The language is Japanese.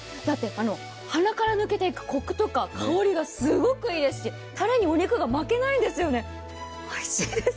鼻から抜けていく、こくとか香りがすごくいいですし、タレにお肉が負けないんですよね、おいしいです。